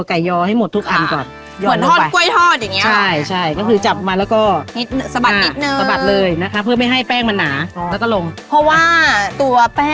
ไฟระดับกลางนะคะ